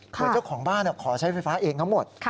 เหมือนเจ้าของบ้านขอใช้ไฟฟ้าเองทั้งหมด